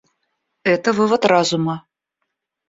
Это вывод разума.